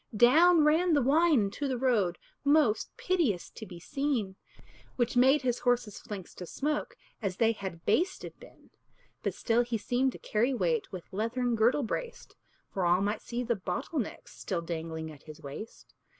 Down ran the wine into the road, Most piteous to be seen, Which made his horse's flanks to smoke As they had basted been. But still he seemed to carry weight With leathern girdle braced; For all might see the bottle necks Still dangling at his waist.